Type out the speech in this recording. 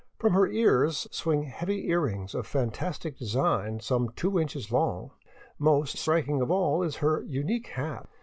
From her ears swing heavy earrings of fantastic design some two inches long. Most striking of all is her unique hat.